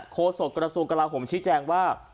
โค้ดสดกระทรวงกราหมชี้แจงว่า